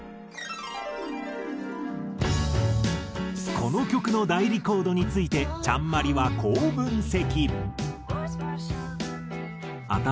この曲の代理コードについてちゃんＭＡＲＩはこう分析。